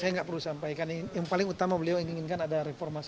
saya nggak perlu sampaikan yang paling utama beliau yang inginkan adalah reformasi